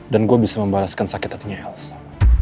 dan gue bisa membalaskan sakit hatinya elsa